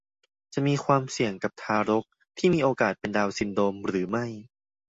จะมีความเสี่ยงกับทารกที่มีโอกาสเป็นดาวน์ซินโดรมหรือไม่